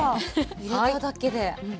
入れただけで。